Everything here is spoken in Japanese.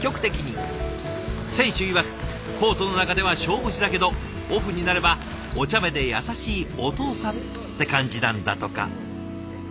選手いわくコートの中では勝負師だけどオフになればおちゃめで優しいお父さんって感じなんだとか。